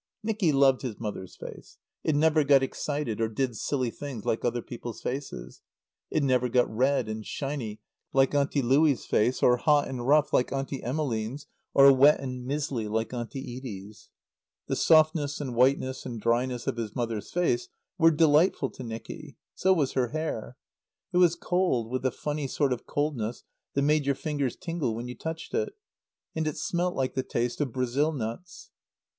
Nicky loved his mother's face. It never got excited or did silly things like other people's faces. It never got red and shiny like Auntie Louie's face, or hot and rough like Auntie Emmeline's, or wet and mizzly like Auntie Edie's. The softness and whiteness and dryness of his mother's face were delightful to Nicky. So was her hair. It was cold, with a funny sort of coldness that made your fingers tingle when you touched it; and it smelt like the taste of Brazil nuts.